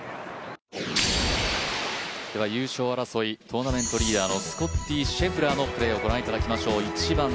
優勝争い、トーナメント争いのスコッティ・シェフラーのプレーを御覧いただきましょう。